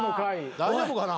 ・大丈夫かな？